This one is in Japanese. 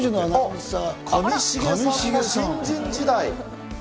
上重さんの新人時代。